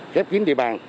khép kín địa bàn